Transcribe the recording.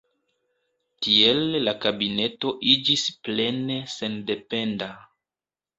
Tiel la kabineto iĝis plene sendependa.